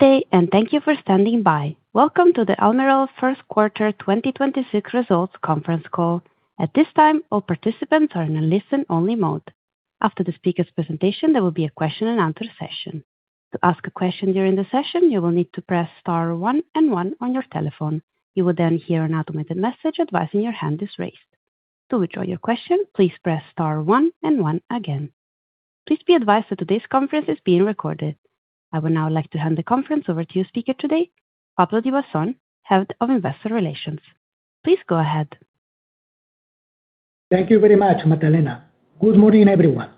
Day. Thank you for standing by. Welcome to the Almirall First Quarter 2026 Results Conference Call. At this time, all participants are in a listen-only mode. After the speaker's presentation, there will be a question and answer session. To ask a question during the session, you will need to press star one and one on your telephone. You will then hear an automated message advising your hand is raised. To withdraw your question, please press star one and one again. Please be advised that today's conference is being recorded. I would now like to hand the conference over to your speaker today, Pablo Divasson, Head of Investor Relations. Please go ahead. Thank you very much, Magdalena. Good morning, everyone.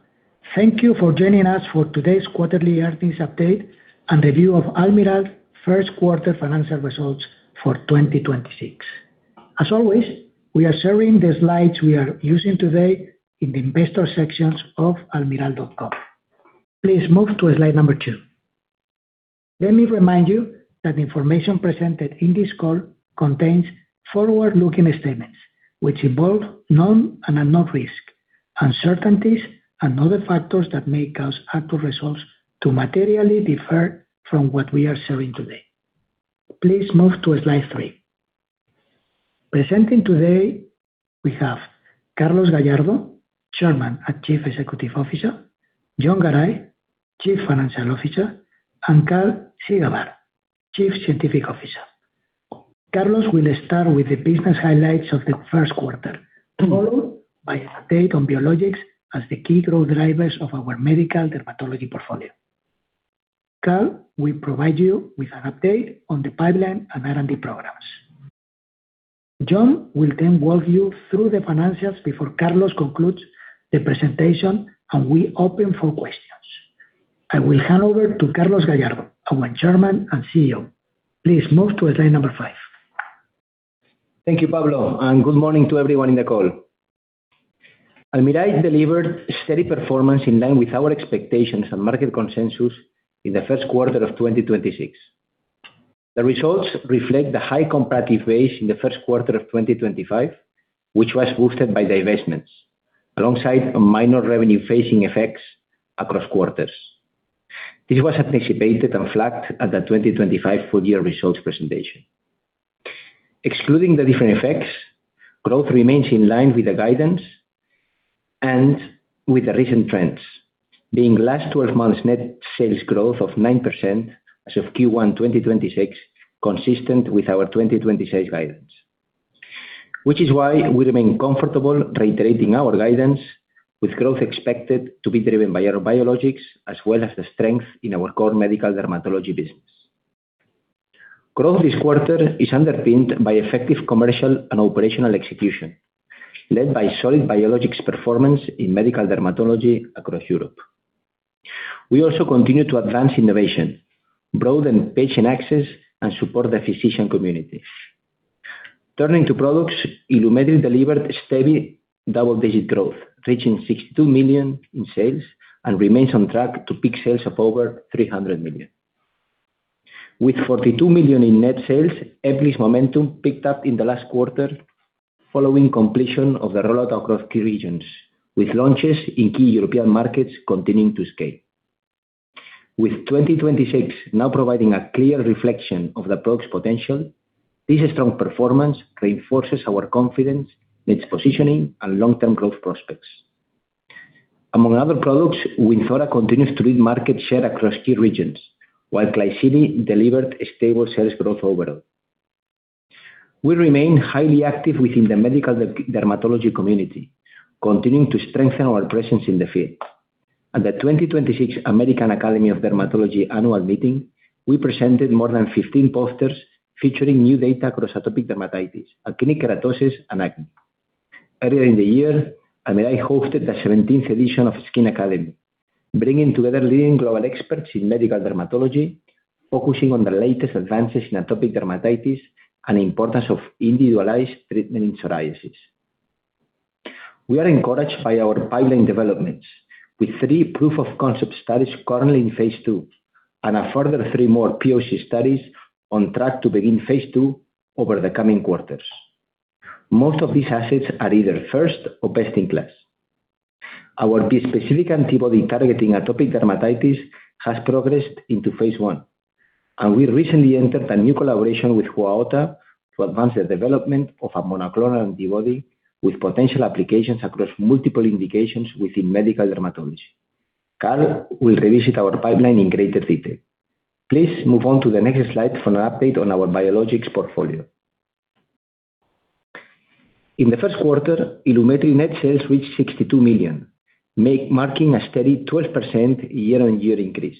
Thank you for joining us for today's quarterly earnings update and review of Almirall first quarter financial results for 2026. As always, we are sharing the slides we are using today in the investor sections of almirall.com. Please move to slide number two. Let me remind you that the information presented in this call contains forward-looking statements which involve known and unknown risk, uncertainties, and other factors that may cause actual results to materially differ from what we are sharing today. Please move to slide three. Presenting today, we have Carlos Gallardo, Chairman and Chief Executive Officer, Jon Garay, Chief Financial Officer, and Karl Ziegelbauer, Chief Scientific Officer. Carlos will start with the business highlights of the first quarter, followed by an update on Biologics as the key growth drivers of our medical dermatology portfolio. Karl will provide you with an update on the pipeline and R&D programs. Jon will then walk you through the financials before Carlos Gallardo concludes the presentation, and we open for questions. I will hand over to Carlos Gallardo, our Chairman and CEO. Please move to slide number five. Thank you, Pablo, and good morning to everyone in the call. Almirall delivered steady performance in line with our expectations and market consensus in the first quarter of 2026. The results reflect the high comparative base in the first quarter of 2025, which was boosted by divestments alongside a minor revenue-facing effects across quarters. This was anticipated and flagged at the 2025 full-year results presentation. Excluding the different effects, growth remains in line with the guidance and with the recent trends, being last 12 months net sales growth of 9% as of Q1 2026, consistent with our 2020 sales guidance, which is why we remain comfortable reiterating our guidance with growth expected to be driven by our biologics as well as the strength in our core medical dermatology business. Growth this quarter is underpinned by effective commercial and operational execution, led by solid biologics performance in medical dermatology across Europe. We also continue to advance innovation, broaden patient access, and support the physician community. Turning to products, Ilumetri delivered a steady double-digit growth, reaching 62 million in sales and remains on track to peak sales of over 300 million. With 42 million in net sales, Ebglyss momentum picked up in the last quarter following completion of the rollout across key regions, with launches in key European markets continuing to scale. With 2026 now providing a clear reflection of the approach potential, this strong performance reinforces our confidence in its positioning and long-term growth prospects. Among other products, Wynzora continues to lead market share across key regions, while Klisyri delivered a stable sales growth overall. We remain highly active within the medical dermatology community, continuing to strengthen our presence in the field. At the 2026 American Academy of Dermatology annual meeting, we presented more than 15 posters featuring new data across atopic dermatitis, actinic keratosis, and acne. Earlier in the year, Almirall hosted the 17th edition of Skin Academy, bringing together leading global experts in medical dermatology, focusing on the latest advances in atopic dermatitis and the importance of individualized treatment in psoriasis. We are encouraged by our pipeline developments, with three proof of concept studies currently in phase II and a further three more POC studies on track to begin phase II over the coming quarters. Most of these assets are either first or best in class. Our bispecific antibody targeting atopic dermatitis has progressed into phase I, and we recently entered a new collaboration with Otsuka to advance the development of a monoclonal antibody with potential applications across multiple indications within medical dermatology. Karl will revisit our pipeline in greater detail. Please move on to the next slide for an update on our biologics portfolio. In the first quarter, Ilumetri net sales reached 62 million, marking a steady 12% year-on-year increase.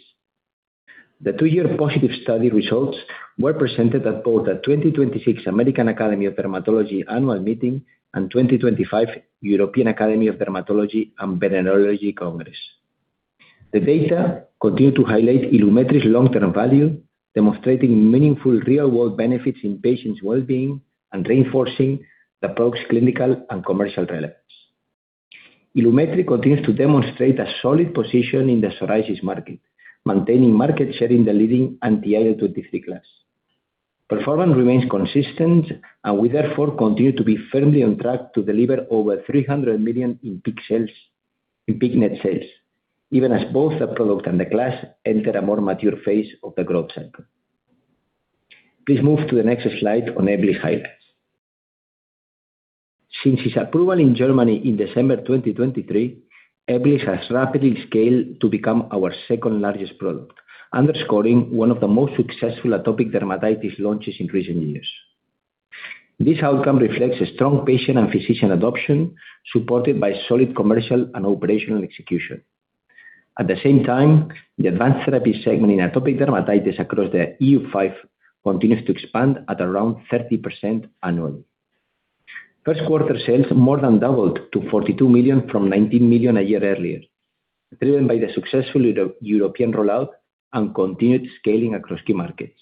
The two-year positive study results were presented at both the 2026 American Academy of Dermatology annual meeting and 2025 European Academy of Dermatology and Venereology Congress. The data continue to highlight Ilumetri's long-term value, demonstrating meaningful real-world benefits in patients' well-being and reinforcing the approach clinical and commercial relevance. Ilumetri continues to demonstrate a solid position in the psoriasis market, maintaining market share in the leading anti-IL-23 class. Performance remains consistent. We therefore continue to be firmly on track to deliver over 300 million in peak net sales, even as both the product and the class enter a more mature phase of the growth cycle. Please move to the next slide on Ebglyss highlights. Since its approval in Germany in December 2023, Ebglyss has rapidly scaled to become our second-largest product, underscoring one of the most successful atopic dermatitis launches in recent years. This outcome reflects a strong patient and physician adoption, supported by solid commercial and operational execution. At the same time, the advanced therapy segment in atopic dermatitis across the EU5 continues to expand at around 30% annually. First quarter sales more than doubled to 42 million from 19 million a year earlier, driven by the successful European rollout and continued scaling across key markets.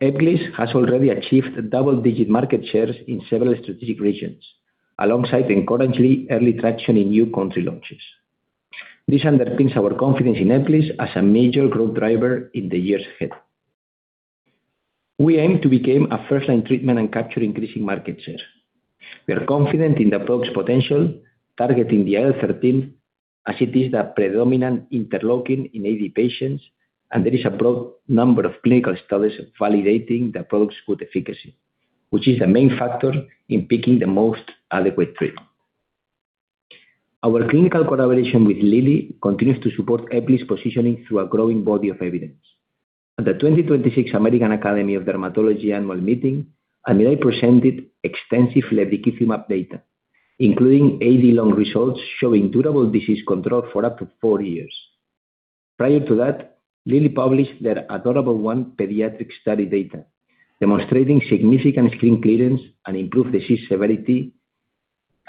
Ebglyss has already achieved double-digit market shares in several strategic regions, alongside encouraging early traction in new country launches. This underpins our confidence in Ebglyss as a major growth driver in the years ahead. We aim to become a first-line treatment and capture increasing market share. We are confident in the product's potential, targeting the IL-13 as it is the predominant interleukin in AD patients, and there is a broad number of clinical studies validating the product's good efficacy, which is a main factor in picking the most adequate treatment. Our clinical collaboration with Lilly continues to support Ebglyss positioning through a growing body of evidence. At the 2026 American Academy of Dermatology annual meeting, Almirall presented extensive lebrikizumab data, including ADlong results showing durable disease control for up to 4 years. Prior to that, Lilly published their ADorable-1 pediatric study data, demonstrating significant skin clearance and improved disease severity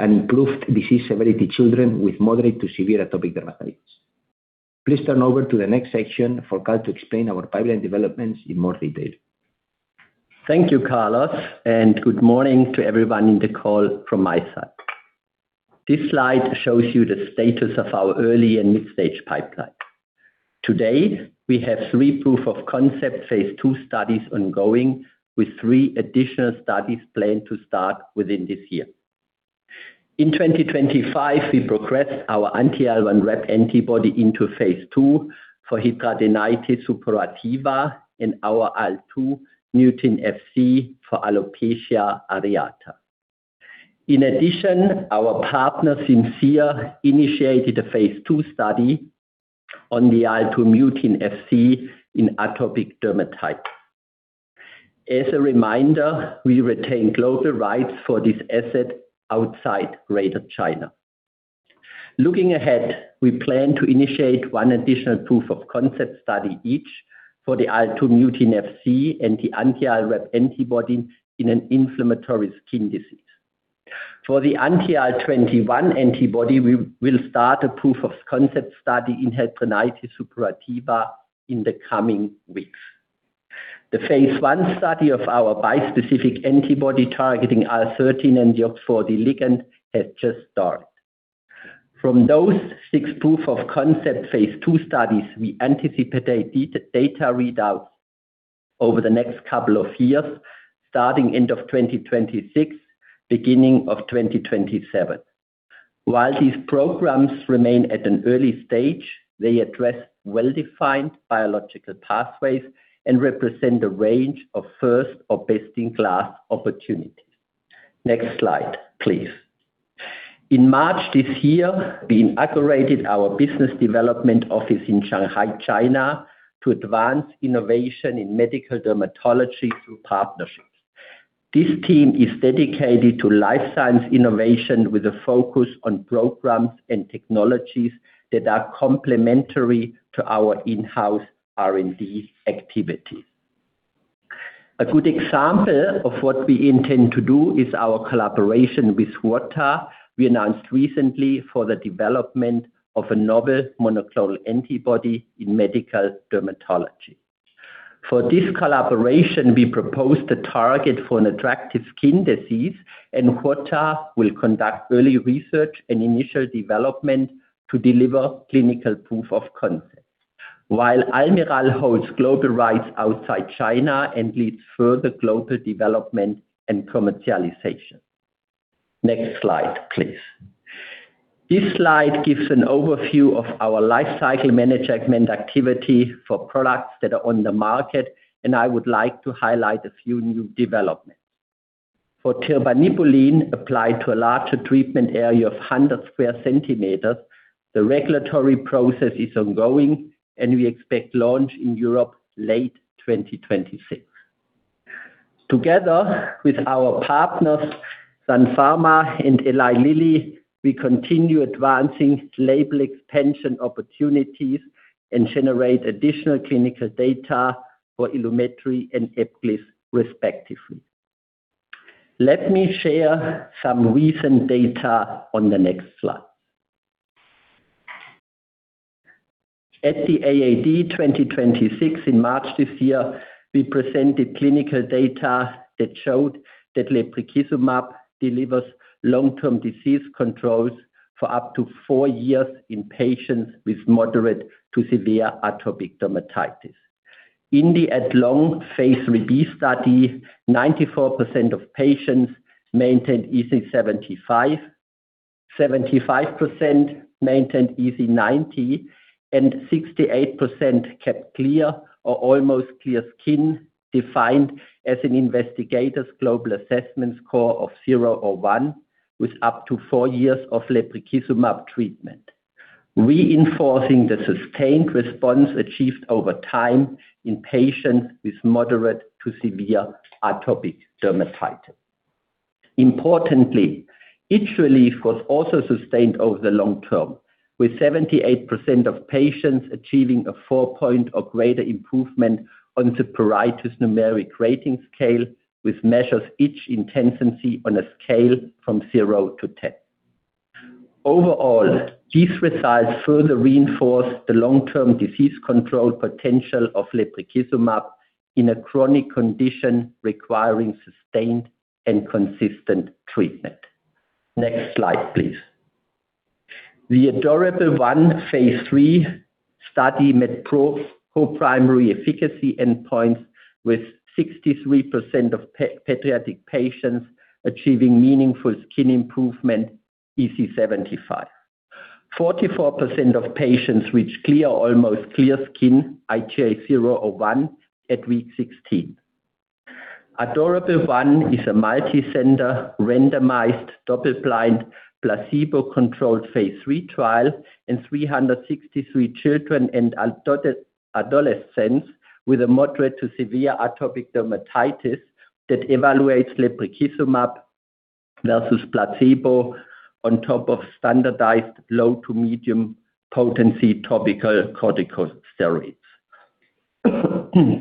in improved disease severity children with moderate to severe atopic dermatitis. Please turn over to the next section for Karl to explain our pipeline developments in more detail. Thank you, Carlos, and good morning to everyone in the call from my side. This slide shows you the status of our early and mid-stage pipeline. Today, we have three proof-of-concept phase II studies ongoing, with three additional studies planned to start within this year. In 2025, we progressed our anti-IL-1RAP antibody into phase II for hidradenitis suppurativa in our IL-2 mutein Fc for alopecia areata. In addition, our partner, Syngene, initiated a phase II study on the IL-2 mutein Fc in atopic dermatitis. As a reminder, we retain global rights for this asset outside Greater China. Looking ahead, we plan to initiate one additional proof-of-concept study each for the IL-2 mutein Fc and the anti-IL-1RAP antibody in an inflammatory skin disease. For the anti-IL-21 antibody, we will start a proof-of-concept study in hidradenitis suppurativa in the coming weeks. The phase I study of our bispecific antibody targeting IL-13 and OX40 ligand has just started. From those six proof-of-concept phase II studies, we anticipate data readouts over the next couple of years, starting end of 2026, beginning of 2027. While these programs remain at an early stage, they address well-defined biological pathways and represent a range of first or best-in-class opportunities. Next slide, please. In March this year, we inaugurated our business development office in Shanghai, China, to advance innovation in medical dermatology through partnerships. This team is dedicated to life science innovation with a focus on programs and technologies that are complementary to our in-house R&D activities. A good example of what we intend to do is our collaboration with Huaota. We announced recently for the development of a novel monoclonal antibody in medical dermatology. For this collaboration, we proposed a target for an attractive skin disease, and Huaota will conduct early research and initial development to deliver clinical proof of concept. While Almirall holds global rights outside China and leads further global development and commercialization. Next slide, please. This slide gives an overview of our lifecycle management activity for products that are on the market, and I would like to highlight a few new developments. For tirbanibulin applied to a larger treatment area of 100 square centimeters, the regulatory process is ongoing, and we expect launch in Europe late 2026. Together with our partners, Sun Pharma and Eli Lilly, we continue advancing label extension opportunities and generate additional clinical data for Ilumetri and Ebglyss, respectively. Let me share some recent data on the next slide. At the AAD 2026 in March this year, we presented clinical data that showed that lebrikizumab delivers long-term disease controls for up to four years in patients with moderate to severe atopic dermatitis. In the ADlong phase III study, 94% of patients maintained EASI-75, 75% maintained EASI-90, and 68% kept clear or almost clear skin, defined as an Investigator's Global Assessment score of 0 or 1, with up to four years of lebrikizumab treatment, reinforcing the sustained response achieved over time in patients with moderate to severe atopic dermatitis. Importantly, itch relief was also sustained over the long term, with 78% of patients achieving a four-point or greater improvement on the Pruritus Numeric Rating Scale, which measures itch intensity on a scale from 0 to 10. Overall, these results further reinforce the long-term disease control potential of lebrikizumab in a chronic condition requiring sustained and consistent treatment. Next slide, please. The ADorable-1 phase III study met co-primary efficacy endpoints with 63% of pediatric patients achieving meaningful skin improvement, EASI-75. 44% of patients reached clear or almost clear skin, IGA 0 or 1, at week 16. ADorable-1 is a multicenter, randomized, double-blind, placebo-controlled phase III trial in 363 children and adolescents with moderate to severe atopic dermatitis that evaluates lebrikizumab versus placebo on top of standardized low to medium potency topical corticosteroids.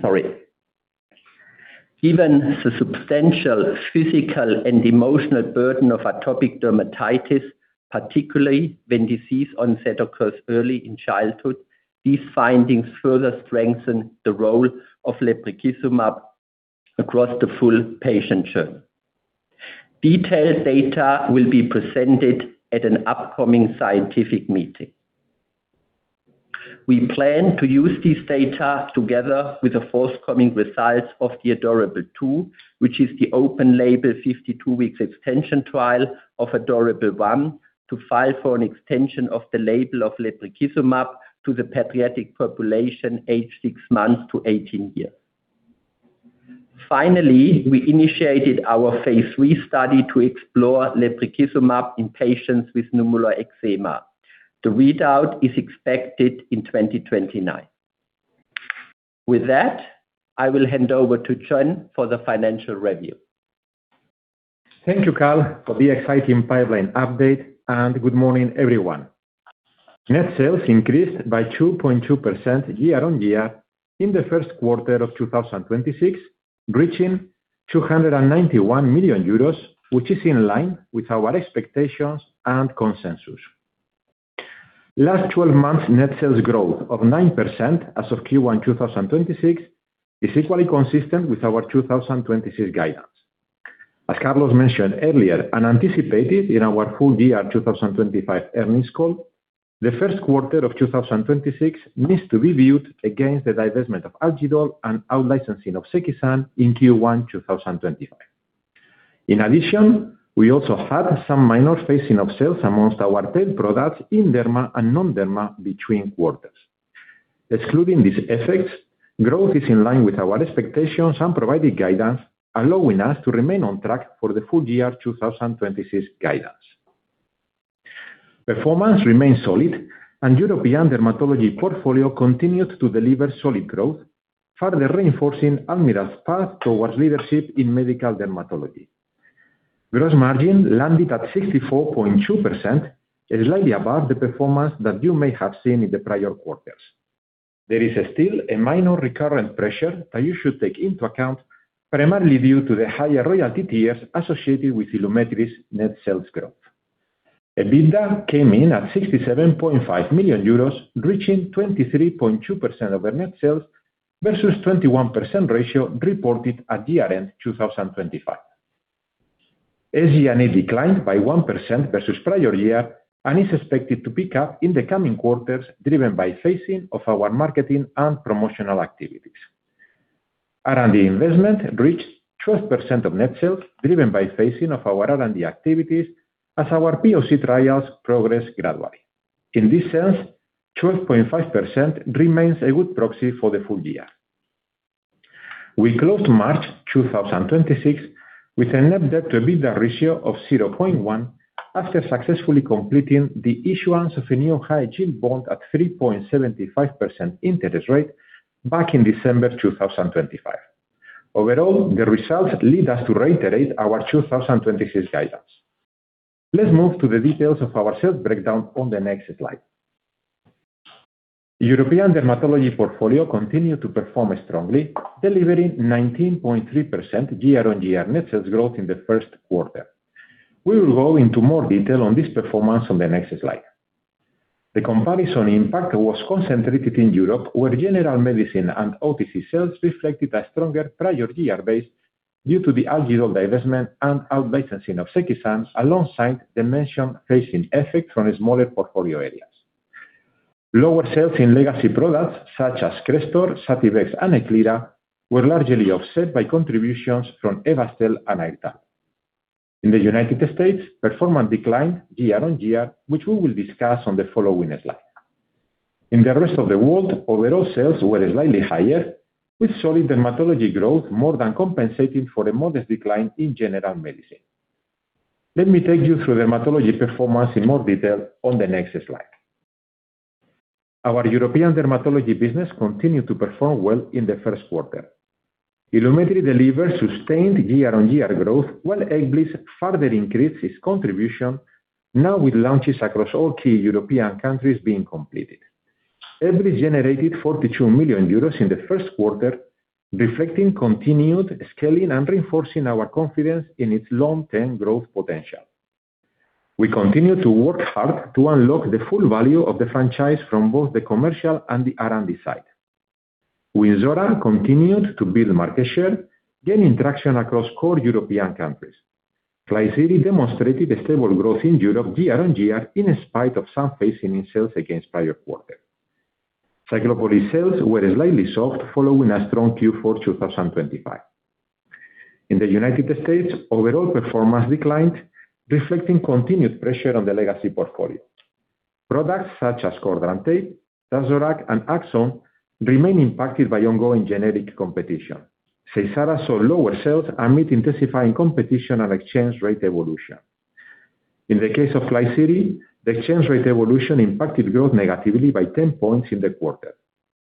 Sorry. Given the substantial physical and emotional burden of atopic dermatitis, particularly when disease onset occurs early in childhood, these findings further strengthen the role of lebrikizumab across the full patient journey. Detailed data will be presented at an upcoming scientific meeting. We plan to use these data together with the forthcoming results of the ADorable-2, which is the open label 52-week extension trial of ADorable-1, to file for an extension of the label of lebrikizumab to the pediatric population aged six months to 18 years. Finally, we initiated our phase III study to explore lebrikizumab in patients with nummular eczema. The readout is expected in 2029. With that, I will hand over to Jon for the financial review. Thank you, Karl, for the exciting pipeline update, and good morning, everyone. Net sales increased by 2.2% year-over-year in the first quarter of 2026, reaching 291 million euros, which is in line with our expectations and consensus. Last 12 months net sales growth of 9% as of Q1 2026 is equally consistent with our 2026 guidance. As Carlos mentioned earlier and anticipated in our full year 2025 earnings call, the first quarter of 2026 needs to be viewed against the divestment of Algidol and out-licensing of Sekisan in Q1 2025. In addition, we also had some minor phasing of sales amongst our tail products in Derma and non-Derma between quarters. Excluding these effects, growth is in line with our expectations and provided guidance, allowing us to remain on track for the full year 2026 guidance. Performance remains solid, and European dermatology portfolio continued to deliver solid growth, further reinforcing Almirall's path towards leadership in medical dermatology. Gross margin landed at 64.2%, slightly above the performance that you may have seen in the prior quarters. There is still a minor recurrent pressure that you should take into account, primarily due to the higher royalty tiers associated with Ilumetri's net sales growth. EBITDA came in at 67.5 million euros, reaching 23.2% of our net sales versus 21% ratio reported at year-end 2025. SG&A declined by 1% versus prior year and is expected to pick up in the coming quarters, driven by phasing of our marketing and promotional activities. R&D investment reached 12% of net sales, driven by phasing of our R&D activities as our POC trials progress gradually. In this sense, 12.5% remains a good proxy for the full year. We closed March 2026 with a net debt-to-EBITDA ratio of 0.1 after successfully completing the issuance of a new high-yield bond at 3.75% interest rate back in December 2025. Overall, the results lead us to reiterate our 2026 guidance. Let's move to the details of our sales breakdown on the next slide. European dermatology portfolio continued to perform strongly, delivering 19.3% year-on-year net sales growth in the first quarter. We will go into more detail on this performance on the next slide. The comparison impact was concentrated in Europe, where general medicine and OTC sales reflected a stronger prior year base. Due to the Aligidol divestment and out-licensing of Sekisan, alongside the mentioned facing effect from the smaller portfolio areas. Lower sales in legacy products such as CRESTOR, Sativex, and Eklira were largely offset by contributions from Ebastel and Airtal. In the U.S., performance declined year-on-year, which we will discuss on the following slide. In the rest of the world, overall sales were slightly higher with solid dermatology growth more than compensating for a modest decline in general medicine. Let me take you through dermatology performance in more detail on the next slide. Our European dermatology business continued to perform well in the first quarter. Ilumetri delivered sustained year-on-year growth, while Ebglyss further increased its contribution, now with launches across all key European countries being completed. Ebglyss generated 42 million euros in the first quarter, reflecting continued scaling and reinforcing our confidence in its long-term growth potential. We continue to work hard to unlock the full value of the franchise from both the commercial and the R&D side. Wynzora continued to build market share, gaining traction across core European countries. Klisyri demonstrated a stable growth in Europe year-on-year in spite of some facing in sales against prior quarter. Ciclopoli sales were slightly soft following a strong Q4 2025. In the U.S., overall performance declined, reflecting continued pressure on the legacy portfolio. Products such as CORDAN, TAZORAC, and Aczone remain impacted by ongoing genetic competition. Seysara saw lower sales amid intensifying competition and exchange rate evolution. In the case of Klisyri, the exchange rate evolution impacted growth negatively by 10 points in the quarter.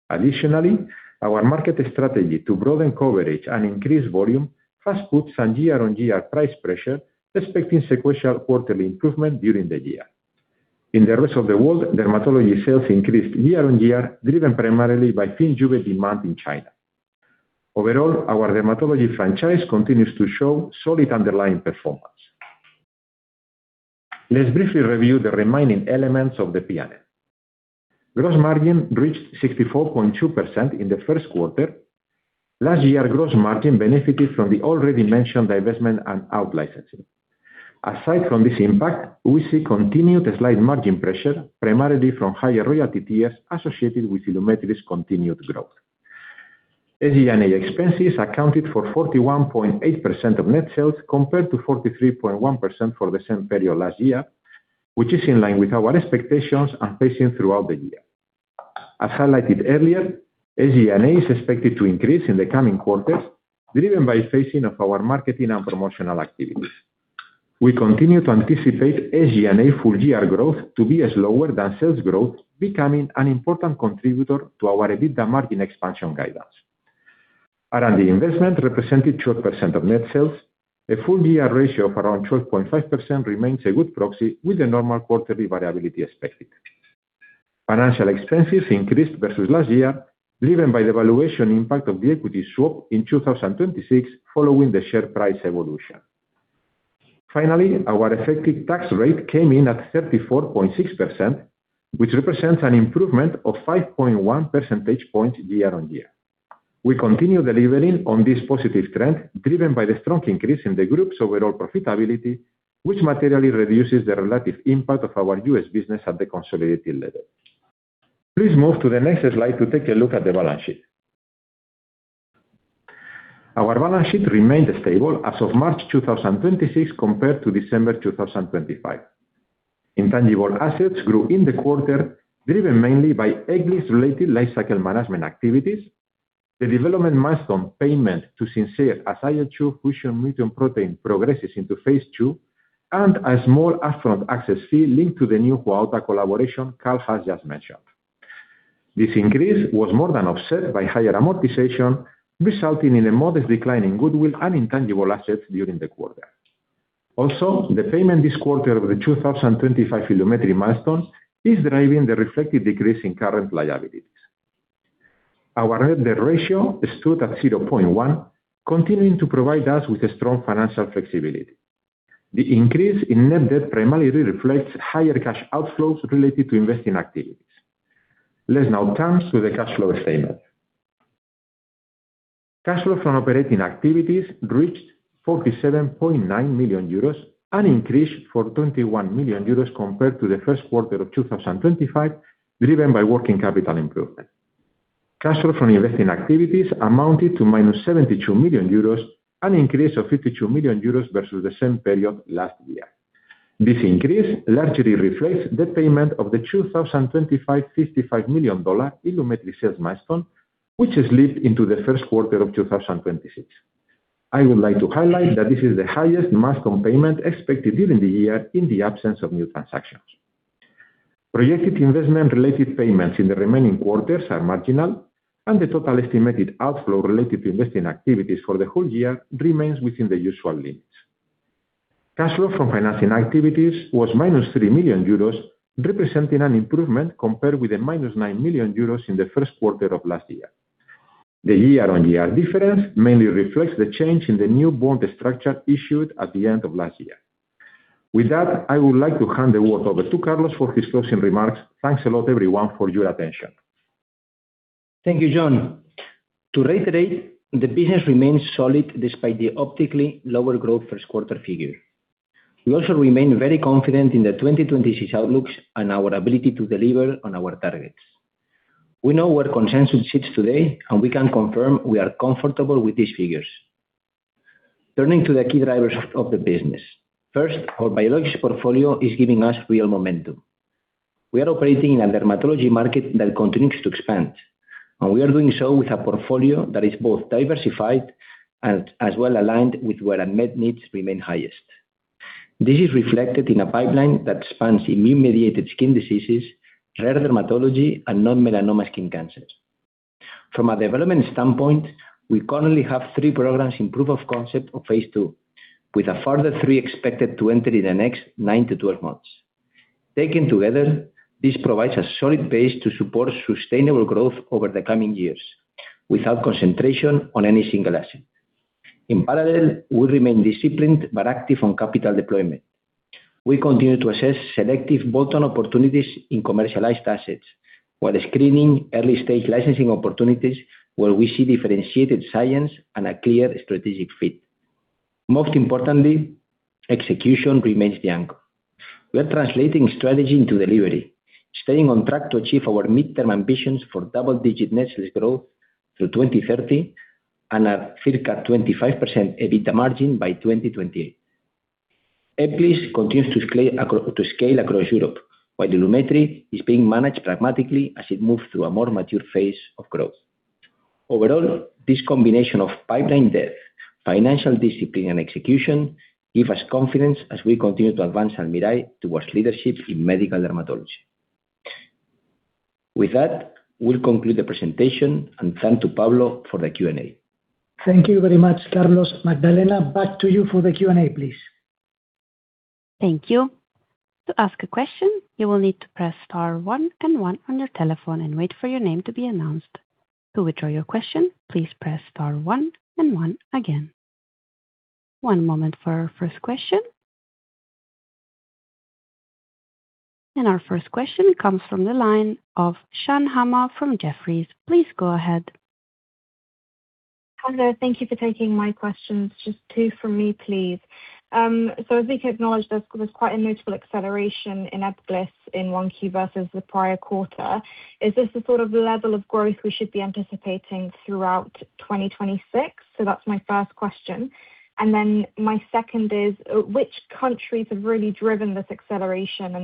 Our market strategy to broaden coverage and increase volume has put some year-on-year price pressure, expecting sequential quarterly improvement during the year. In the rest of the world, dermatology sales increased year-on-year, driven primarily by thin Juve demand in China. Overall, our dermatology franchise continues to show solid underlying performance. Let's briefly review the remaining elements of the P&L. Gross margin reached 64.2% in the first quarter. Last year, gross margin benefited from the already mentioned divestment and out-licensing. Aside from this impact, we see continued slight margin pressure, primarily from higher royalty fees associated with Ilumetri's continued growth. SG&A expenses accounted for 41.8% of net sales, compared to 43.1% for the same period last year, which is in line with our expectations and facing throughout the year. As highlighted earlier, SG&A is expected to increase in the coming quarters, driven by phasing of our marketing and promotional activities. We continue to anticipate SG&A full year growth to be slower than sales growth, becoming an important contributor to our EBITDA margin expansion guidance. R&D investment represented short percent of net sales. A full year ratio of around 12.5% remains a good proxy with the normal quarterly variability expected. Financial expenses increased versus last year, driven by the valuation impact of the equity swap in 2026 following the share price evolution. Our effective tax rate came in at 34.6%, which represents an improvement of 5.1 percentage points year-on-year. We continue delivering on this positive trend, driven by the strong increase in the group's overall profitability, which materially reduces the relative impact of our U.S. business at the consolidated level. Please move to the next slide to take a look at the balance sheet. Our balance sheet remained stable as of March 2026 compared to December 2025. Intangible assets grew in the quarter, driven mainly by Ebglyss-related lifecycle management activities. The development milestone payment to Simcere as IL-2 fusion mutant protein progresses into phase II and a small upfront access fee linked to the new Huaota collaboration Karl has just mentioned. This increase was more than offset by higher amortization, resulting in a modest decline in goodwill and intangible assets during the quarter. The payment this quarter of the 2025 Ilumetri milestone is driving the reflected decrease in current liabilities. Our net debt ratio stood at 0.1, continuing to provide us with a strong financial flexibility. The increase in net debt primarily reflects higher cash outflows related to investing activities. Let's now turn to the cash flow statement. Cash flow from operating activities reached 47.9 million euros, an increase for 21 million euros compared to the first quarter of 2025, driven by working capital improvement. Cash flow from investing activities amounted to 72 million euros-, an increase of 52 million euros versus the same period last year. This increase largely reflects the payment of the 2025 $55 million Ilumetri sales milestone, which has leaked into the first quarter of 2026. I would like to highlight that this is the highest milestone payment expected during the year in the absence of new transactions. Projected investment-related payments in the remaining quarters are marginal, and the total estimated outflow related to investing activities for the whole year remains within the usual limits. Cash flow from financing activities was 3 million euros-, representing an improvement compared with the 9 million euros- in the first quarter of last year. The year-on-year difference mainly reflects the change in the new bond structure issued at the end of last year. With that, I would like to hand the word over to Carlos for his closing remarks. Thanks a lot, everyone, for your attention. Thank you, Jon. To reiterate, the business remains solid despite the optically lower growth first quarter figure. We also remain very confident in the 2026 outlooks and our ability to deliver on our targets. We know where consensus sits today, and we can confirm we are comfortable with these figures. Turning to the key drivers of the business. First, our biologics portfolio is giving us real momentum. We are operating in a dermatology market that continues to expand, and we are doing so with a portfolio that is both diversified and as well aligned with where unmet needs remain highest. This is reflected in a pipeline that spans immune-mediated skin diseases, rare dermatology, and non-melanoma skin cancers. From a development standpoint, we currently have three programs in proof of concept of phase II, with a further three expected to enter in the next 9 to 12 months. Taken together, this provides a solid base to support sustainable growth over the coming years without concentration on any single asset. In parallel, we remain disciplined but active on capital deployment. We continue to assess selective bolt-on opportunities in commercialized assets while screening early-stage licensing opportunities where we see differentiated science and a clear strategic fit. Most importantly, execution remains the anchor. We are translating strategy into delivery, staying on track to achieve our midterm ambitions for double-digit net sales growth through 2030 and a circa 25% EBITDA margin by 2028. Ebglyss continues to scale across Europe, while Ilumetri is being managed pragmatically as it moves through a more mature phase of growth. Overall, this combination of pipeline depth, financial discipline and execution give us confidence as we continue to advance Almirall towards leadership in medical dermatology. With that, we'll conclude the presentation and turn to Pablo for the Q&A. Thank you very much, Carlos. Magdalena, back to you for the Q&A, please. Thank you. To ask a question, you will need to press star one and one on your telephone and wait for your name to be announced. To withdraw your question, please press star one and one again. One moment for our first question. Our first question comes from the line of Shan Hama from Jefferies. Please go ahead. Hello. Thank you for taking my questions. Just two from me, please. As we acknowledged, there's quite a notable acceleration in Ebglyss in one key versus the prior quarter. Is this the sort of level of growth we should be anticipating throughout 2026? That's my first question. My second is, which countries have really driven this acceleration,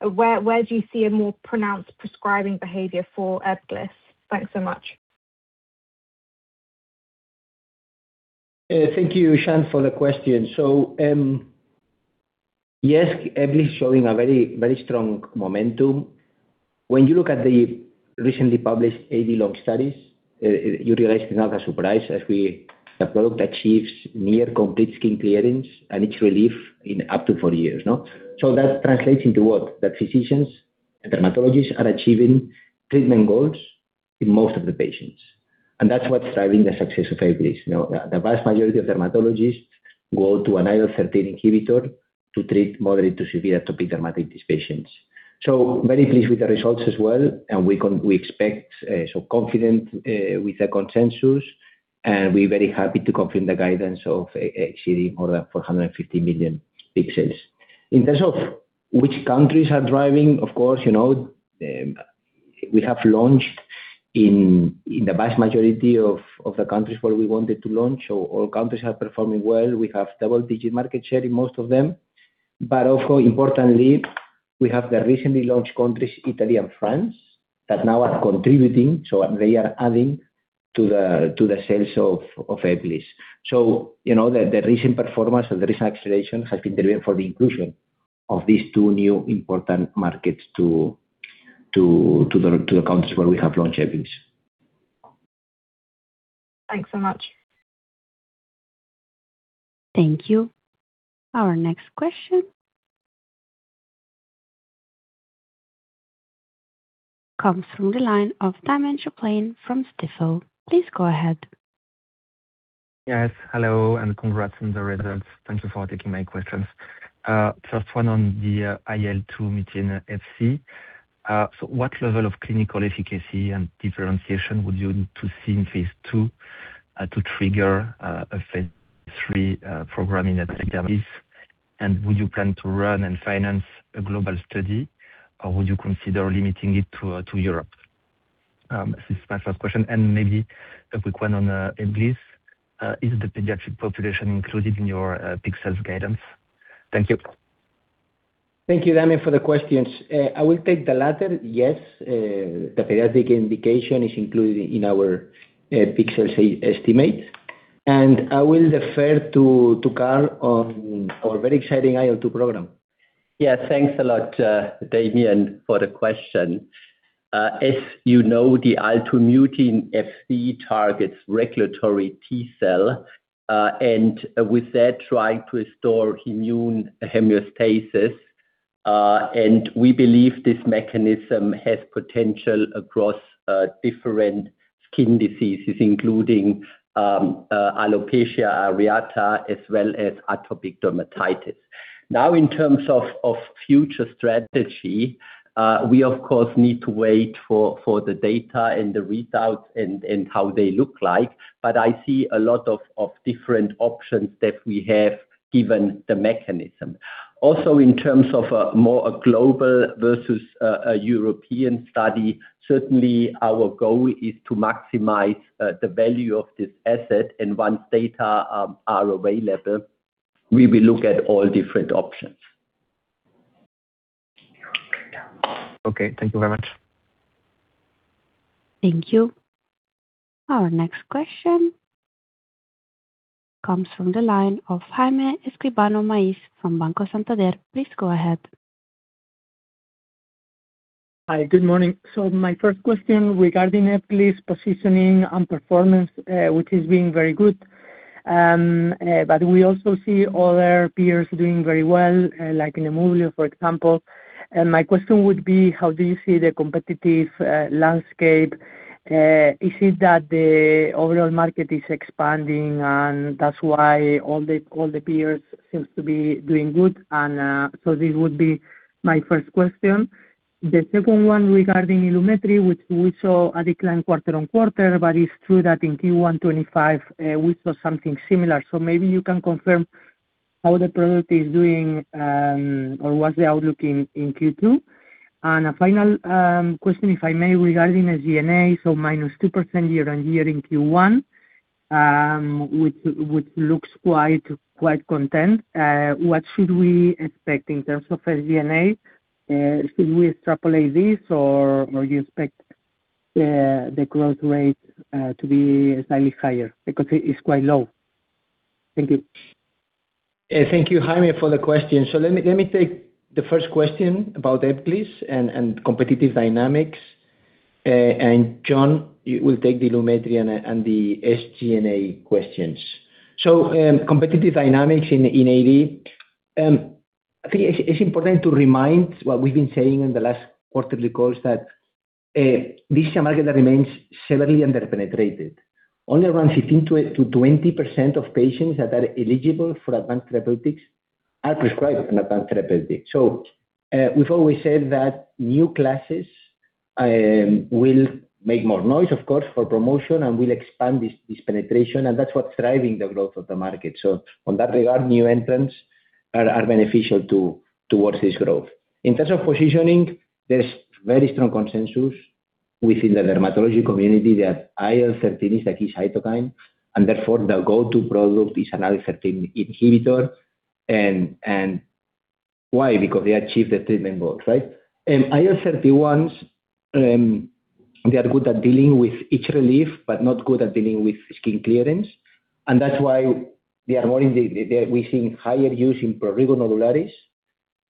and where do you see a more pronounced prescribing behavior for Ebglyss? Thanks so much. Thank you, Shan, for the question. Yes, Ebglyss showing a very strong momentum. When you look at the recently published ADlong studies, you realize it's not a surprise the product achieves near complete skin clearance and its relief in up to four years. That translates into what? That physicians and dermatologists are achieving treatment goals in most of the patients, and that's what's driving the success of Ebglyss. You know, the vast majority of dermatologists go to an IL-13 inhibitor to treat moderate to severe atopic dermatitis patients. Very pleased with the results as well, and we expect, so confident with the consensus, and we're very happy to confirm the guidance of exceeding more than 450 million peak sales. In terms of which countries are driving, of course, you know, we have launched in the vast majority of the countries where we wanted to launch. All countries are performing well. We have double-digit market share in most of them. Also, importantly, we have the recently launched countries, Italy and France, that now are contributing, so they are adding to the sales of Ebglyss. You know, the recent performance and the recent acceleration has been driven for the inclusion of these two new important markets to the countries where we have launched Ebglyss. Thanks so much. Thank you. Our next question comes from the line of Damien Choplain from Stifel. Please go ahead. Yes, hello, congrats on the results. Thank you for taking my questions. First one on the IL-2 mutein Fc. What level of clinical efficacy and differentiation would you need to see in phase II to trigger a phase III program in that database? Would you plan to run and finance a global study or would you consider limiting it to Europe? This is my first question. Maybe a quick one on Ebglyss. Is the pediatric population included in your peak sales guidance? Thank you. Thank you, Damien, for the questions. I will take the latter. Yes, the pediatric indication is included in our peak sales estimates. I will refer to Karl on our very exciting IL-2 program. Yeah. Thanks a lot, Damien, for the question. As you know, the IL-2 mutein Fc targets regulatory T-cell, and with that, trying to restore immune homeostasis. We believe this mechanism has potential across different skin diseases, including alopecia areata as well as atopic dermatitis. Now in terms of future strategy, we of course need to wait for the data and the readouts and how they look like. I see a lot of different options that we have given the mechanism. Also, in terms of more a global versus a European study, certainly our goal is to maximize the value of this asset. Once data are available, we will look at all different options. Okay. Thank you very much. Thank you. Our next question comes from the line of Jaime Escribano from Banco Santander. Please go ahead. Hi. Good morning. My first question regarding Ebglyss positioning and performance, which is doing very good. We also see other peers doing very well, like Nemluvio, for example. My question would be, how do you see the competitive landscape? Is it that the overall market is expanding, and that's why all the peers seems to be doing good? This would be my first question. The second one regarding Ilumetri, which we saw a decline quarter on quarter, but it's true that in Q1 2025, we saw something similar. Maybe you can confirm how the product is doing, or what's the outlook in Q2. A final question, if I may, regarding SG&A. 2%- year on year in Q1, which looks quite content. What should we expect in terms of SG&A? Should we extrapolate this or you expect the growth rate to be slightly higher? Because it is quite low. Thank you. Thank you, Jaime, for the question. Let me take the first question about Ebglyss and competitive dynamics. And Jon, you will take the Ilumetri and the SG&A questions. Competitive dynamics in AD. I think it's important to remind what we've been saying in the last quarterly calls that this market remains severely under-penetrated. Only around 15%-20% of patients that are eligible for advanced therapeutics are prescribed an advanced therapeutic. We've always said that new classes will make more noise, of course, for promotion and will expand this penetration, and that's what's driving the growth of the market. On that regard, new entrants are beneficial towards this growth. In terms of positioning, there is very strong consensus within the dermatology community that IL-30 is a key cytokine. Therefore, the go-to product is an IL-30 inhibitor. Why? Because they achieve the treatment goals, right? IL-31s, they are good at dealing with itch relief but not good at dealing with skin clearance. That's why We're seeing higher use in prurigo nodularis.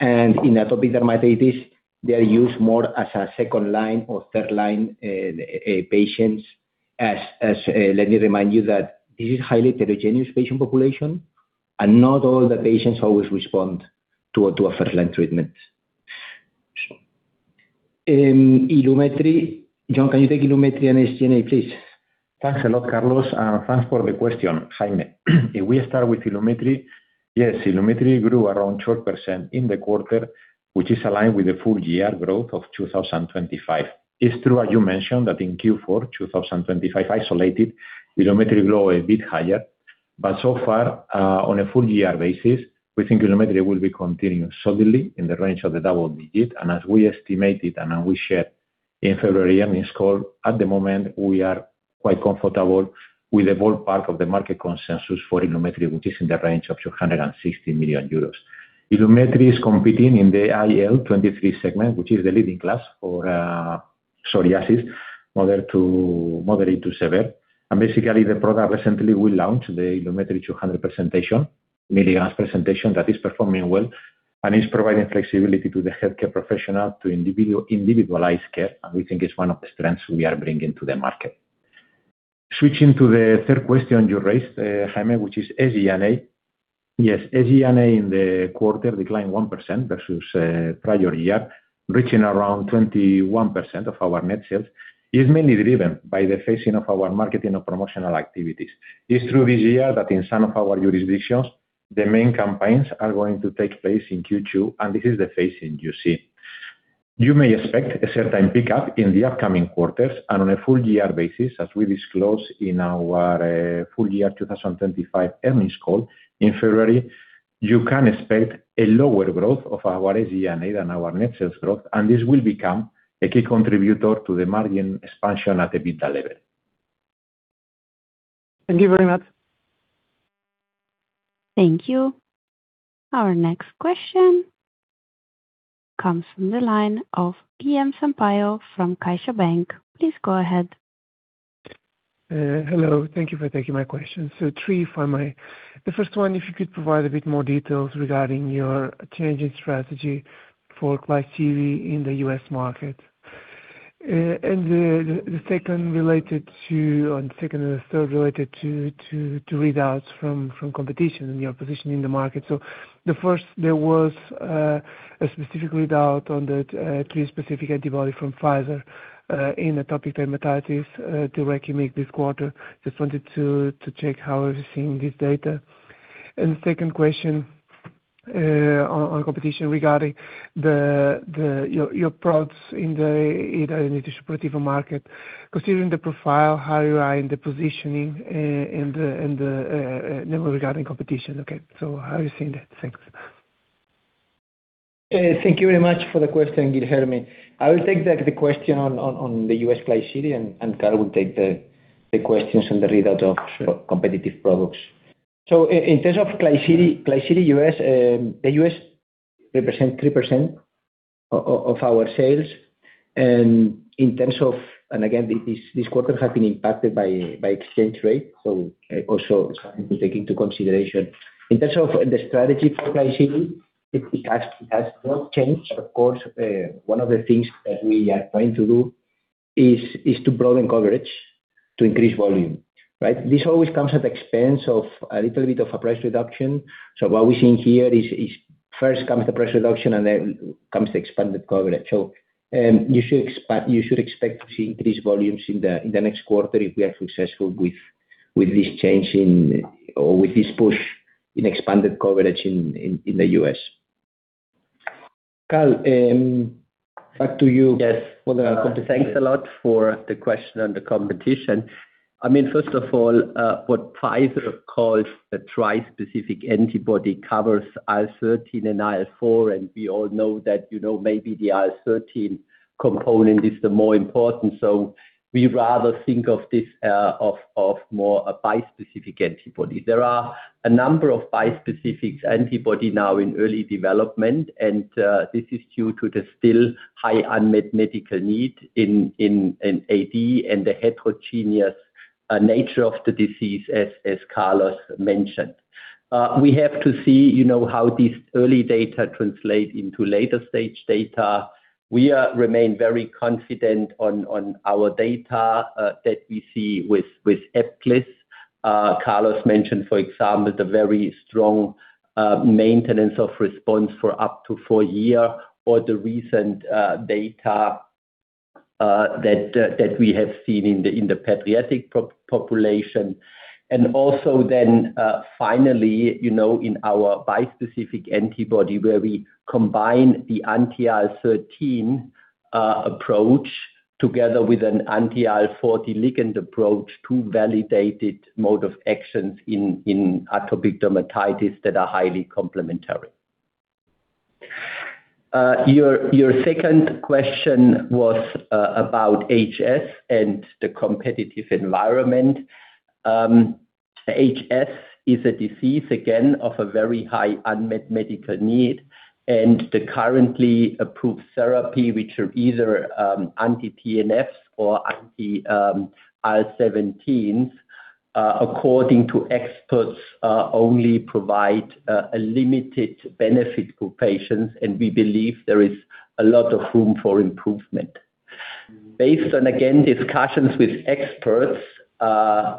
In atopic dermatitis, they are used more as a second-line or third-line patients. As let me remind you that this is highly heterogeneous patient population. Not all the patients always respond to a first-line treatment. Ilumetri. Jon, can you take Ilumetri and SG&A, please? Thanks a lot, Carlos. Thanks for the question, Jaime. If we start with Ilumetri. Yes, Ilumetri grew around 12% in the quarter, which is aligned with the full-year growth of 2025. It's true, as you mentioned, that in Q4 2025 isolated, Ilumetri grew a bit higher. So far, on a full-year basis, we think Ilumetri will be continuing solidly in the range of the double-digit. As we estimated and as we shared in February earnings call, at the moment we are quite comfortable with the lower part of the market consensus for Ilumetri, which is in the range of 260 million euros. Ilumetri is competing in the IL-23 segment, which is the leading class for psoriasis, moderate to severe. Basically, the product recently will launch the Ilumetri 200 presentation, milligram presentation that is performing well and is providing flexibility to the healthcare professional to individualize care. We think it's one of the strengths we are bringing to the market. Switching to the third question you raised, Jaime, which is SG&A. Yes, SG&A in the quarter declined 1% versus prior year, reaching around 21% of our net sales. It's mainly driven by the phasing of our marketing and promotional activities. It's true this year that in some of our jurisdictions, the main campaigns are going to take place in Q2, and this is the phasing you see. You may expect a certain pickup in the upcoming quarters. On a full-year basis, as we disclosed in our full year 2025 earnings call in February, you can expect a lower growth of our SG&A than our net sales growth. This will become a key contributor to the margin expansion at the EBITDA level. Thank you very much. Thank you. Our next question comes from the line of Guilherme Sampaio from CaixaBank. Please go ahead. Hello. Thank you for taking my question. The first one, if you could provide a bit more details regarding your changing strategy for Klisyri in the U.S. market. Second and third related to readouts from competition and your position in the market. The first, there was a specific readout on that three specific antibody from Pfizer in atopic dermatitis, tilrekimig this quarter. Just wanted to check how we're seeing this data. The second question on competition regarding your products in the Dupixent market. Considering the profile, how you are in the positioning, regarding competition. How are you seeing that? Thanks. Thank you very much for the question, Guilherme. I will take the question on the U.S. Klisyri and Karl will take the questions on the readout of competitive products. In terms of Klisyri U.S., the U.S. represent 3% of our sales. In terms of And again, this quarter have been impacted by exchange rate, also something to take into consideration. In terms of the strategy for Klisyri, it has not changed. Of course, one of the things that we are trying to do is to broaden coverage to increase volume, right? This always comes at the expense of a little bit of a price reduction. What we're seeing here is first comes the price reduction and then comes the expanded coverage. You should expect to see increased volumes in the next quarter if we are successful with this change or with this push in expanded coverage in the U.S. Karl, back to you. Yes. For the competition. Thanks a lot for the question on the competition. I mean, first of all, what Pfizer calls a trispecific antibody covers IL-13 and IL-4, we all know that, you know, maybe the IL-13 component is the more important. We rather think of this of more a bispecific antibody. There are a number of bispecific antibody now in early development, this is due to the still high unmet medical need in AD and the heterogeneous nature of the disease, as Carlos mentioned. We have to see, you know, how these early data translate into later stage data. We remain very confident on our data that we see with Ebglyss. Carlos mentioned, for example, the very strong maintenance of response for up to four year or the recent data that we have seen in the pediatric population. Finally, in our bispecific antibody where we combine the anti-IL-13 approach together with an anti-IL-4 ligand approach, two validated mode of actions in atopic dermatitis that are highly complementary. Your second question was about HS and the competitive environment. HS is a disease, again, of a very high unmet medical need, and the currently approved therapy, which are either anti-TNFs or anti-IL-17s, according to experts, only provide a limited benefit to patients, and we believe there is a lot of room for improvement. Based on, again, discussions with experts,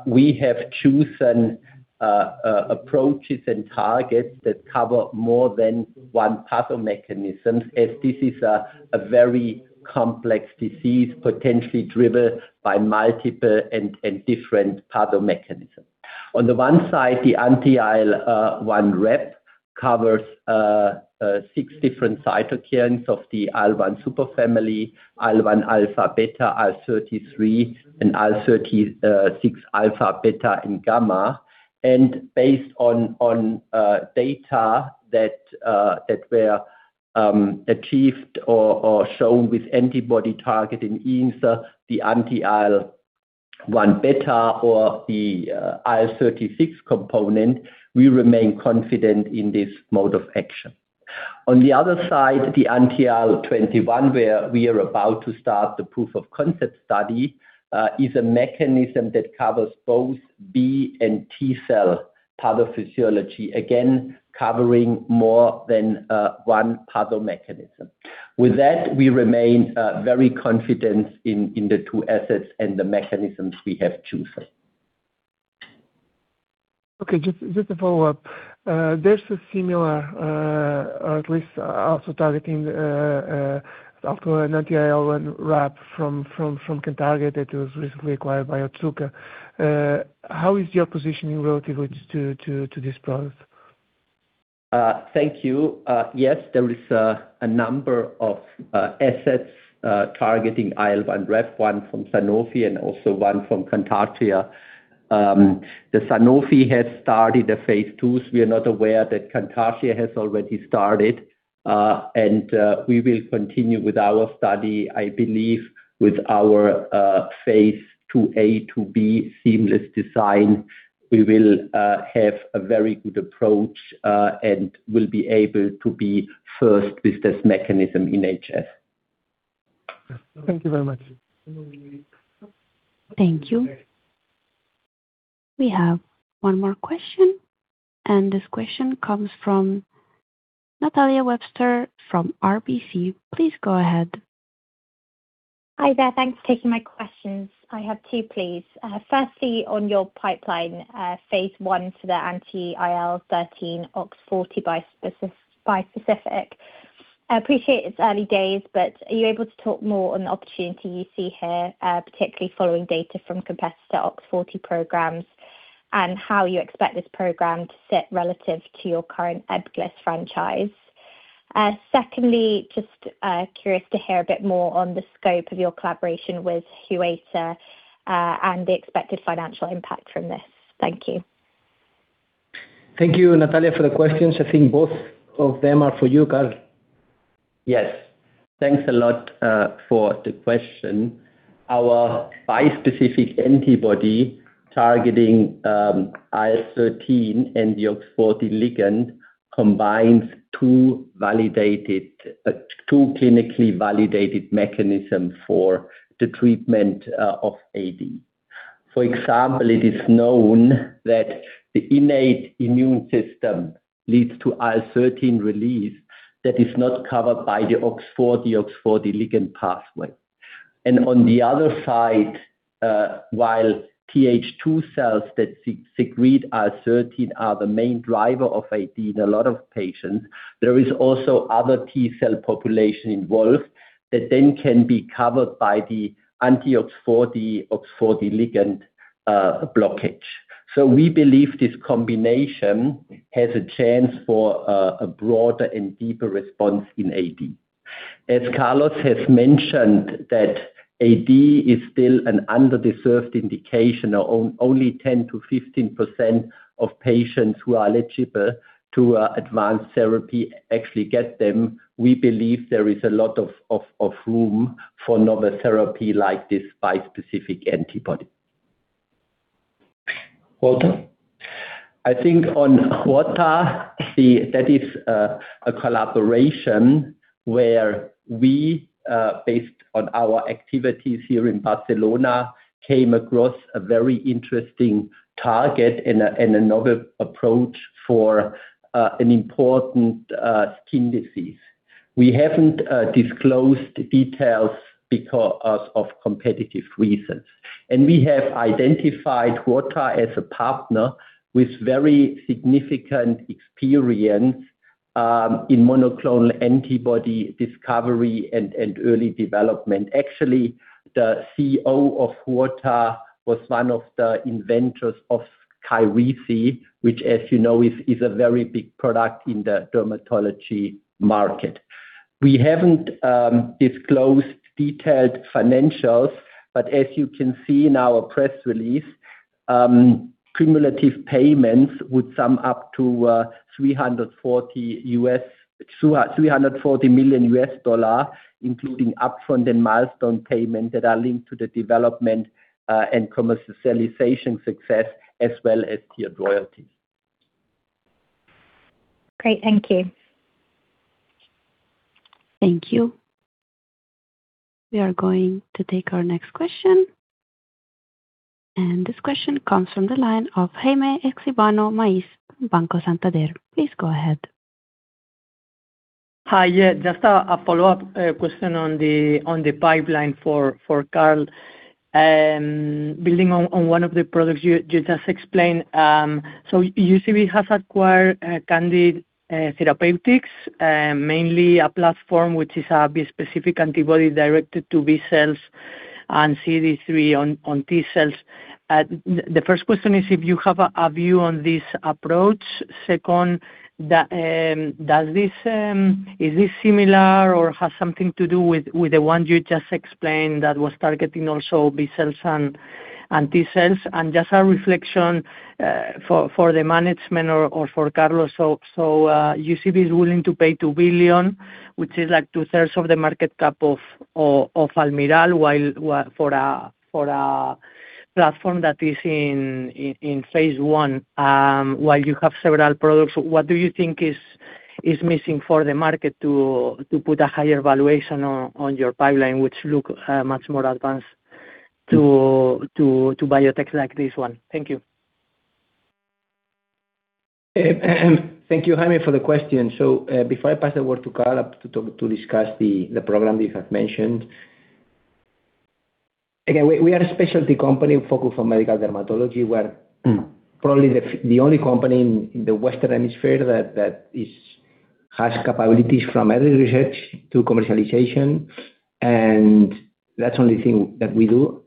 we have chosen approaches and targets that cover more than one pathomechanisms, as this is a very complex disease potentially driven by multiple and different pathomechanism. On the one side, the anti-IL-1RAP covers six different cytokines of the IL-1 superfamily, IL-1 alpha, beta, IL-33, and IL-36 alpha, beta, and gamma. Based on data that were achieved or shown with antibody target in ENSA, the anti-IL-1 beta or the IL-36 component, we remain confident in this mode of action. On the other side, the anti-IL-21, where we are about to start the POC study, is a mechanism that covers both B and T cell pathophysiology. Again, covering more than one pathomechanism. With that, we remain very confident in the two assets and the mechanisms we have chosen. Okay. Just to follow up. There's a similar, or at least also targeting, after an anti-IL-1RAP from Cantargia that was recently acquired by Otsuka. How is your positioning relative to this product? Thank you. Yes, there is a number of assets targeting IL-1RAP, one from Sanofi and also one from Cantargia. Sanofi has started a Phase II, so we are not aware that Cantargia has already started. We will continue with our study. I believe with our Phase II-A to B seamless design, we will have a very good approach and will be able to be first with this mechanism in HS. Thank you very much. Thank you. We have one more question. This question comes from Natalia Webster from RBC. Please go ahead. Hi there. Thanks for taking my questions. I have two, please. Firstly, on your pipeline, phase I to the anti-IL-13 OX40 bispecific. I appreciate it's early days, but are you able to talk more on the opportunity you see here, particularly following data from competitor OX40 programs and how you expect this program to sit relative to your current Ebglyss franchise? Secondly, just curious to hear a bit more on the scope of your collaboration with Huaota and the expected financial impact from this. Thank you. Thank you, Natalia, for the questions. I think both of them are for you, Karl. Yes. Thanks a lot for the question. Our bispecific antibody targeting IL-13 and the OX40 ligand combines two clinically validated mechanisms for the treatment of AD. For example, it is known that the innate immune system leads to IL-13 release that is not covered by the OX40 ligand pathway. On the other side, while TH2 cells that secrete IL-13 are the main driver of AD in a lot of patients, there is also other T-cell population involved that can be covered by the anti-OX40 ligand blockage. We believe this combination has a chance for a broader and deeper response in AD. As Carlos has mentioned that AD is still an underserved indication. Only 10%-15% of patients who are eligible to advanced therapy actually get them. We believe there is a lot of room for novel therapy like this bispecific antibody. Well, I think on Huaota, that is a collaboration where we, based on our activities here in Barcelona, came across a very interesting target and a novel approach for an important skin disease. We haven't disclosed details because of competitive reasons. We have identified Huaota as a partner with very significant experience in monoclonal antibody discovery and early development. Actually, the CEO of Huaota was one of the inventors of SKYRIZI, which, as you know, is a very big product in the dermatology market. We haven't disclosed detailed financials, but as you can see in our press release, cumulative payments would sum up to $340 million, including upfront and milestone payment that are linked to the development and commercialization success, as well as tiered royalties. Great. Thank you. Thank you. We are going to take our next question. This question comes from the line of Jaime Escribano, Banco Santander. Please go ahead. Hi. Yeah, just a follow-up question on the pipeline for Karl. Building on one of the products you just explained. UCB has acquired Candid Therapeutics, mainly a platform which is a bispecific antibody directed to B cells and CD3 on T cells. The first question is if you have a view on this approach. Second, does this is this similar or has something to do with the one you just explained that was targeting also B cells and T cells? Just a reflection for the management or for Carlos. UCB is willing to pay 2 billion, which is like two-thirds of the market cap of Almirall, while for a platform that is in phase I. While you have several products, what do you think is missing for the market to put a higher valuation on your pipeline, which look much more advanced to biotech like this one? Thank you. Thank you, Jaime, for the question. Before I pass the word to Karl to discuss the program you have mentioned. Again, we are a specialty company focused on medical dermatology. We're probably the only company in the Western Hemisphere that has capabilities from early research to commercialization, and that's only thing that we do.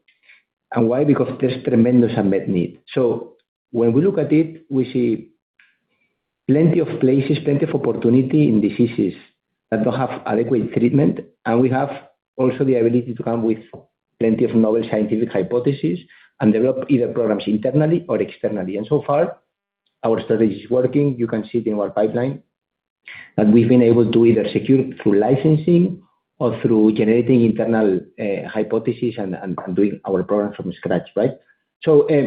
Why? Because there's tremendous unmet need. When we look at it, we see plenty of places, plenty of opportunity in diseases that don't have adequate treatment. We have also the ability to come with plenty of novel scientific hypotheses and develop either programs internally or externally. So far, our strategy is working. You can see it in our pipeline. We've been able to either secure through licensing or through generating internal hypotheses and doing our program from scratch, right?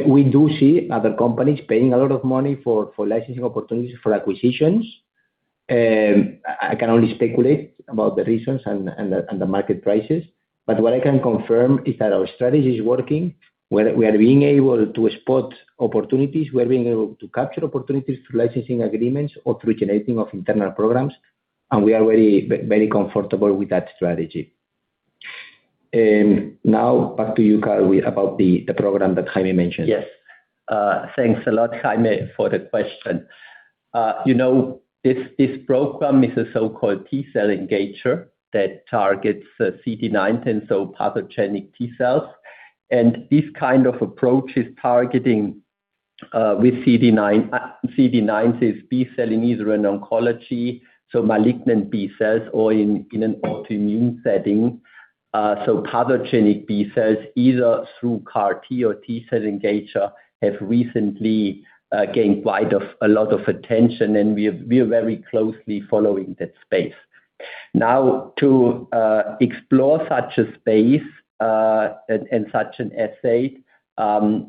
We do see other companies paying a lot of money for licensing opportunities, for acquisitions. I can only speculate about the reasons and the market prices. What I can confirm is that our strategy is working. We are being able to spot opportunities. We are being able to capture opportunities through licensing agreements or through generating of internal programs, and we are very comfortable with that strategy. Now back to you, Karl, with about the program that Jaime mentioned. Yes. Thanks a lot, Jaime, for the question. You know, this program is a so-called T-cell engager that targets CD19, and so pathogenic T-cells. This kind of approach is targeting with CD19 is B-cell in either an oncology, so malignant B-cells or in an autoimmune setting. Pathogenic B cells, either through CAR T or T-cell engager have recently gained quite a lot of attention, and we are very closely following that space. Now, to explore such a space, and such an assay,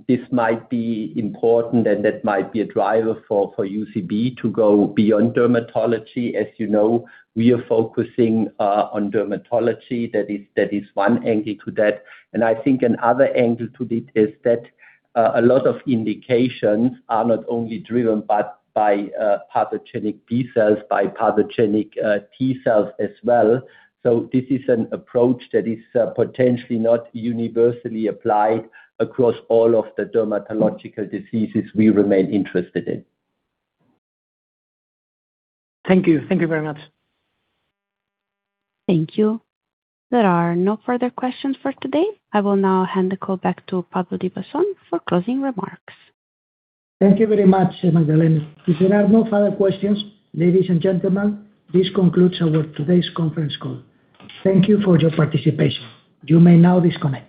this might be important and that might be a driver for UCB to go beyond dermatology. As you know, we are focusing on dermatology. That is one angle to that. I think another angle to it is that a lot of indications are not only driven, but by pathogenic B cells, by pathogenic T cells as well. This is an approach that is potentially not universally applied across all of the dermatological diseases we remain interested in. Thank you. Thank you very much. Thank you. There are no further questions for today. I will now hand the call back to Pablo Divasson for closing remarks. Thank you very much, Magdalena. If there are no further questions, ladies and gentlemen, this concludes our today's conference call. Thank you for your participation. You may now disconnect.